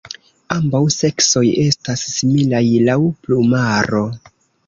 Ambaŭ seksoj estas similaj laŭ plumaro.